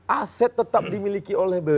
aset tetap dimiliki oleh bumn